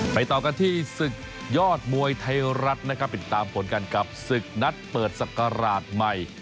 ไปต่อกันที่สึกยอดมวยไทยรัดเป็นตามผลกันกับสึกนัดเปิดสักกราดใหม่